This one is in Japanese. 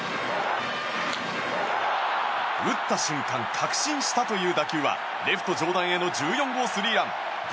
打った瞬間確信したという打球はレフト上段への１４号スリーラン。